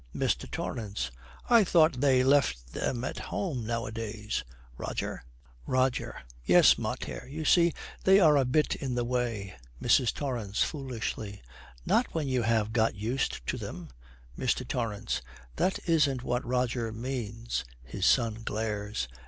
MR. TORRANCE. 'I thought they left them at home nowadays, Roger?' ROGER. 'Yes, mater; you see, they are a bit in the way.' MRS. TORRANCE, foolishly, 'Not when you have got used to them.' MR. TORRANCE. 'That isn't what Roger means.' (His son glares.)